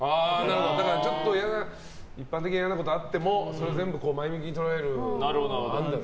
だから一般的には嫌なことがあってもそれは全部前向きに捉えるんだ。